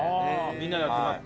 みんなで集まって。